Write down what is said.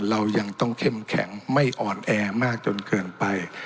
เรายังต้องเข้มแข็งไม่อ่อนแอมากจนเกินไป